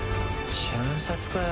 瞬殺かよ。